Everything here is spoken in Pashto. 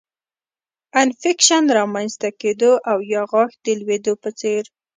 انفکشن رامنځته کېدو او یا غاښ د لوېدو په څېر